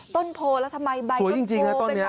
ต้นโพลแล้วทำไมใบต้นโพลเป็นผัดสวยจริงนะต้นนี้